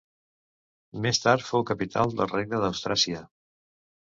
Més tard fou capital del regne d'Austràsia.